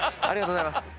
ありがとうございます。